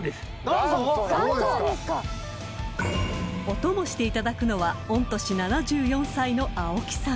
［お供していただくのは御年７４歳の］